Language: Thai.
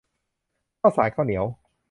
ข้าวสารข้าวเหนียว